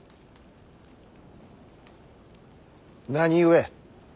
何故？